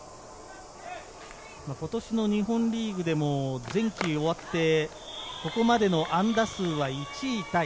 今年の日本リーグでも、全て終わってここまでの安打数は１位タイ。